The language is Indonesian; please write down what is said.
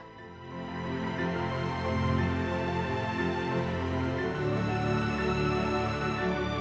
dan juga untuk pemerintah yang memiliki kekuatan yang baik